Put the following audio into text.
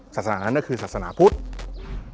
ศาสนานั้นก็คือศาสนาพุทธ